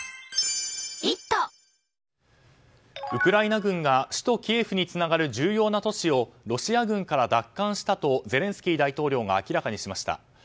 ウクライナ軍が首都キエフにつながる重要な都市をロシア軍から奪還したとゼレンスキー大統領が明らかにしました。